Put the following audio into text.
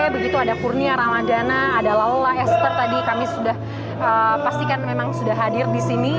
begitu ada kurnia ramadana ada laula esther tadi kami sudah pastikan memang sudah hadir di sini